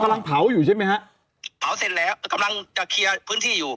กำลังเผาอยู่ใช่ไหมฮะเผาเสร็จแล้วกำลังจะเคลียร์พื้นที่อยู่